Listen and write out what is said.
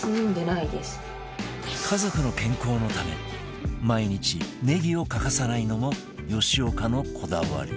家族の健康のため毎日ネギを欠かさないのも吉岡のこだわり